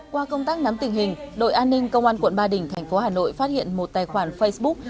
qua công tác nắm tình hình đội an ninh công an quận ba đình thành phố hà nội phát hiện một tài khoản facebook